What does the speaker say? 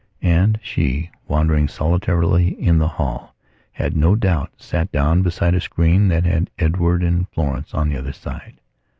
And she, wandering solitarily in the hall, had no doubt sat down beside a screen that had Edward and Florence on the other side.